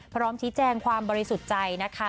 พร้อมชี้แจงความบริสุทธิ์ใจนะคะ